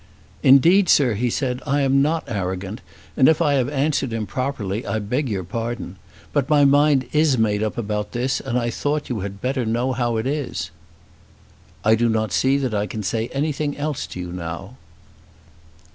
"Indeed, sir," he said, "I am not arrogant, and if I have answered improperly I beg your pardon. But my mind is made up about this, and I thought you had better know how it is." "I do not see that I can say anything else to you now."